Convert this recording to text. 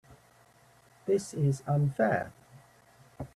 This is unfair.